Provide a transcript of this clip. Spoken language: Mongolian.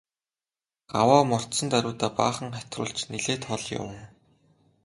Гаваа мордсон даруйдаа баахан хатируулж нэлээд хол явав.